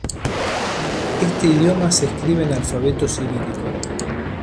Este idioma se escribe en alfabeto cirílico.